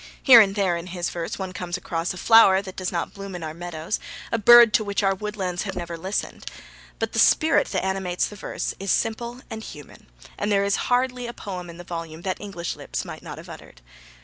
Here and there in his verse one comes across a flower that does not bloom in our meadows, a bird to which our woodlands have never listened. But the spirit that animates the verse is simple and human, and there is hardly a poem in the volume that English lips might not have uttered.